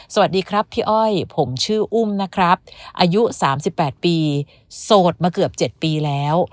สวัสดีครับพี่อ้อยผมชื่ออุ้มนะครับอายุ๓๘ปีโสดมาเกือบ๗ปีแล้ว